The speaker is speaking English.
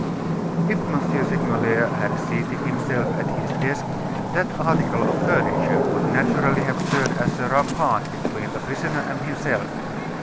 If M. Segmuller had seated himself at his desk, that article of furniture would naturally have served as a rampart between the prisoner and himself.